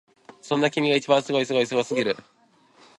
そんな君が一番すごいすごいよすごすぎる！